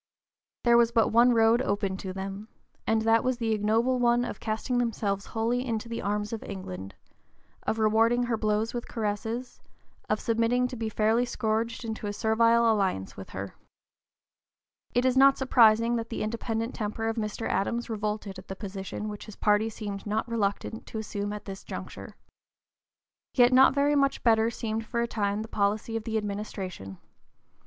There was but one road open to them, and that was the ignoble one of casting themselves wholly (p. 048) into the arms of England, of rewarding her blows with caresses, of submitting to be fairly scourged into a servile alliance with her. It is not surprising that the independent temper of Mr. Adams revolted at the position which his party seemed not reluctant to assume at this juncture. Yet not very much better seemed for a time the policy of the administration.